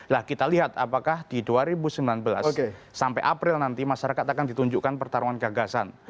nah kita lihat apakah di dua ribu sembilan belas sampai april nanti masyarakat akan ditunjukkan pertarungan gagasan